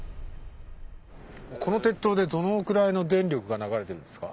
この鉄塔でどのくらいの電力が流れてるんですか？